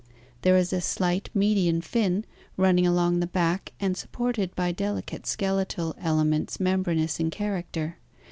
There is a slight median fin running along the back and supported by delicate skeletal elements membranous in character.